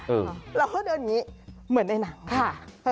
เราก็เดินอย่างนี้เหมือนในหนังค่ะ